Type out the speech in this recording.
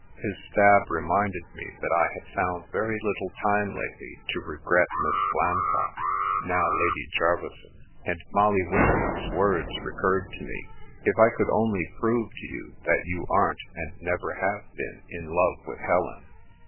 His stab reminded me that I had found very little time lately to regret Miss Blantock, now Lady Jerveyson; and Molly Winston's words recurred to me :'* If I could only prove to you that you aren't s^nd never have been in love with Helen."